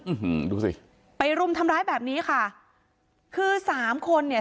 อืมดูสิไปรุมทำร้ายแบบนี้ค่ะคือสามคนเนี่ย